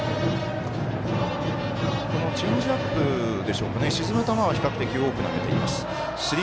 チェンジアップでしょうか沈む球は比較的多く投げています。